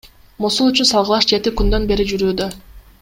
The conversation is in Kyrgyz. Мосул үчүн салгылаш жети күндөн бери жүрүүдө.